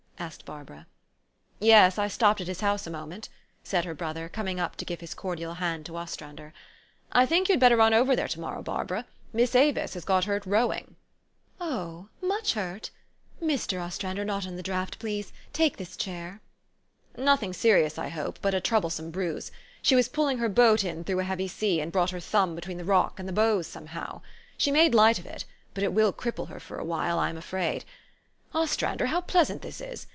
" asked Barbara. "Yes : I stopped at his house a moment," said her brother, coming up to give his cordial hand to Os trander. " I think } T OU had better run over there to morrow, Barbara. Miss Avis has got hurt rowing." '' Oh ! Much hurt ? Mr. Ostrander, not in the draught, please : take this chair." " Nothing serious, I hope ; but a troublesome bruise. She was pulling her boat in through a heavy sea, and brought her thumb between the rock and the bows somehow. She made light of it ; but it will cripple her for a while, I am afraid. Os trander, how pleasant this is